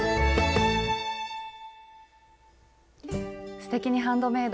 「すてきにハンドメイド」